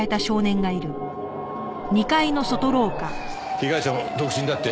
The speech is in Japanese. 被害者も独身だって？